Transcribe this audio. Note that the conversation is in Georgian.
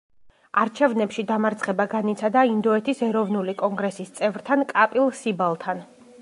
არჩევნებში დამარცხება განიცადა ინდოეთის ეროვნული კონგრესის წევრთან კაპილ სიბალთან.